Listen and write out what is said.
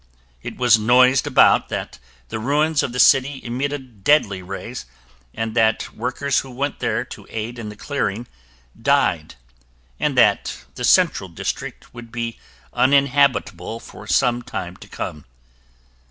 It was noised about that the ruins of the city emitted deadly rays and that workers who went there to aid in the clearing died, and that the central district would be uninhabitable for some time to come.